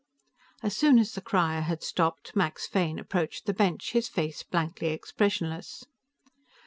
As soon as the crier had stopped, Max Fane approached the bench, his face blankly expressionless.